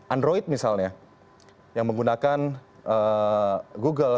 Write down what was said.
android misalnya yang menggunakan google